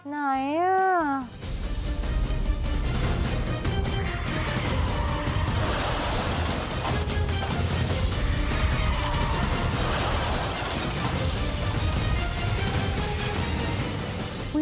ไหนอ่ะ